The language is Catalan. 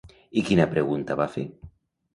I quina pregunta va fer?